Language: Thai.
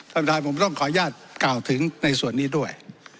สำคัญผมต้องขออนุญาตเก่าถึงในส่วนนี้ด้วย